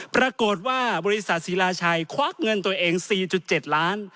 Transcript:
ปรากฏว่าบริษัทศิลาชัยควักเงินตัวเอง๔๗ล้าน